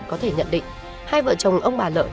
có thể nhận định hai vợ chồng ông bà lợi